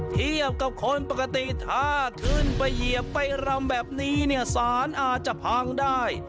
เทียบกับคนปกติถ้าขึ้นไปเหยียบไปรำแบบนี้เนี่ยสารอาจจะพังได้